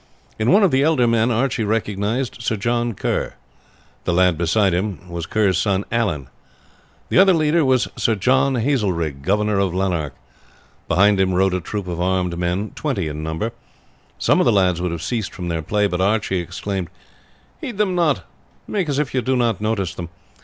In one of the elder men Archie recognized Sir John Kerr. The lad beside him was his son Allan. The other leader was Sir John Hazelrig, governor of Lanark; behind them rode a troop of armed men, twenty in number. Some of the lads would have ceased from their play; but Archie exclaimed: "Heed them not; make as if you did not notice them.